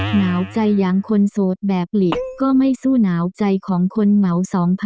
หนาวใจอย่างคนโสดแบบหลีก็ไม่สู้หนาวใจของคนเหมา๒๐๐๐